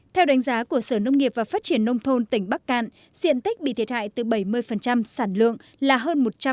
theo đánh giá của sở nông nghiệp và phát triển nông thôn tỉnh bắc cạn diện tích bị thiệt hại từ bảy mươi sản lượng là hơn một trăm linh